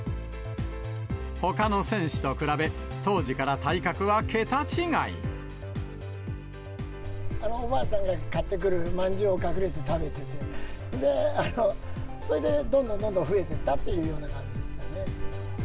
ほかの選手と比べ、おばあちゃんが買ってくるまんじゅうを隠れて食べてて、それでどんどんどんどん増えてったっていうような感じですかね。